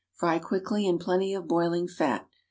Fry quickly in plenty of boiling fat.